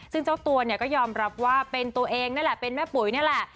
ซึ่งเจ้าตัวเนี่ยก็ยอมรับว่าเป็นตัวเองนั่นแหละเป็นแม่ปุ๋ยนี่แหละ